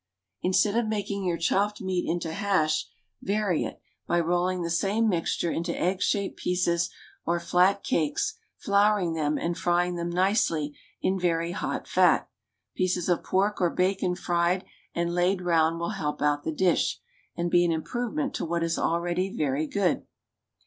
Instead of making your chopped meat into hash, vary it, by rolling the same mixture into egg shaped pieces, or flat cakes, flouring them, and frying them nicely in very hot fat; pieces of pork or bacon fried and laid round will help out the dish, and be an improvement to what is already very good.